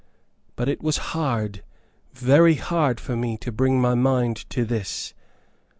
But it was hard, very hard for me to bring my mind to this.